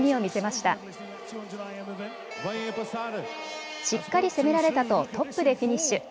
しっかり攻められたとトップでフィニッシュ。